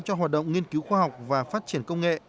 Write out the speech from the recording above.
cho hoạt động nghiên cứu khoa học và phát triển công nghệ